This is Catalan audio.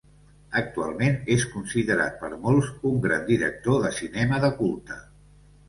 Actualment és considerat per molts un gran director de cinema de culte.